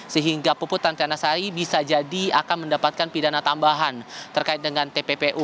sehingga puput tantianasari bisa jadi akan mendapatkan pidana tambahan terkait dengan tppu